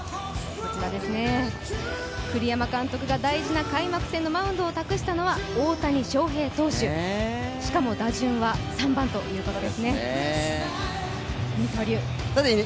栗山監督が大事な開幕戦のマウンドを託したのは大谷翔平投手、しかも打順は３番ということですね、二刀流。